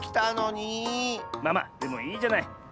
まあまあでもいいじゃない。ね。